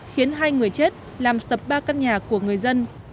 khiến hai người chết làm sập ba căn nhà của người dân